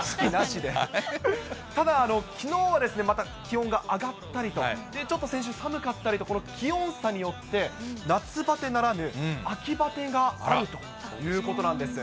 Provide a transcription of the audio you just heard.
ただ、きのうはまた気温が上がったりと、ちょっと先週寒かったりと、気温差によって夏バテならぬ、秋バテがあるということなんです。